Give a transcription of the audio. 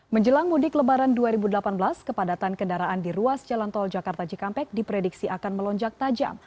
menjelang mudik lebaran dua ribu delapan belas kepadatan kendaraan di ruas jalan tol jakarta cikampek diprediksi akan melonjak tajam